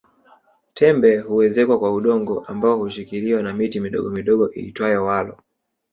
Tembe huezekwa kwa udongo ambao hushikiliwa na miti midogomidogo iitwayo walo